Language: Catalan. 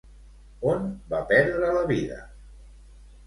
On va perdre la vida?